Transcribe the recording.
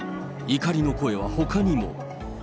怒りの声はほかにも。